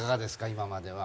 今までは。